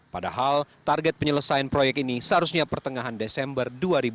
padahal target penyelesaian proyek ini seharusnya pertengahan desember dua ribu dua puluh